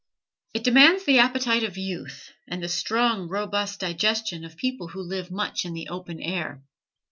It demands the appetite of youth, and the strong, robust digestion of people who live much in the open air.